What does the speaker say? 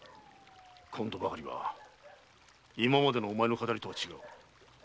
今度ばかりは今までのお前の「騙り」とは違う。